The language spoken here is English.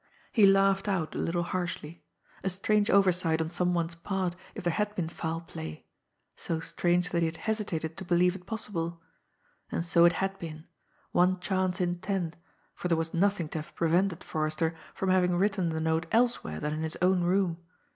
He laughed out a little harshly. A strange oversight on some one's part if there had been foul play so strange that he had hesitated to believe it possible! And so it had been one chance in ten, for there was nothing to have prevented Forrester from having written the note elsewhere than in his own room.